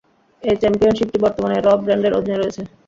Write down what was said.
এই চ্যাম্পিয়নশিপটি বর্তমানে "র" ব্র্যান্ডের অধীনে রয়েছে।